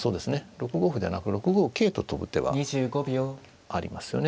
６五歩ではなく６五桂と跳ぶ手はありますよね。